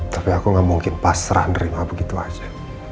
tapi aku gak mungkin pasrah nerima begitu aja